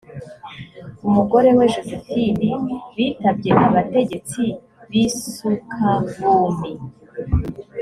umugore we josephine bitabye abategetsi b’ i sukabumi